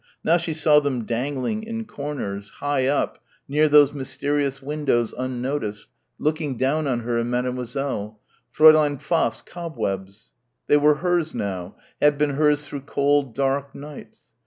Now she saw them dangling in corners, high up near those mysterious windows unnoticed, looking down on her and Mademoiselle ... Fräulein Pfaff's cobwebs. They were hers now, had been hers through cold dark nights....